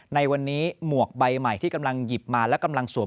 ในวันนี้หมวกใบใหม่ที่กำลังหยิบมาและกำลังสวม